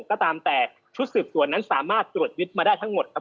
ก็ตามแต่ชุดสืบสวนนั้นสามารถตรวจยึดมาได้ทั้งหมดครับ